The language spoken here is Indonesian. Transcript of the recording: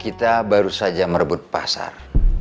kita baru saja merebut pasar